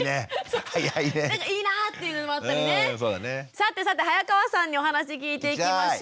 さてさて早川さんにお話聞いていきましょう。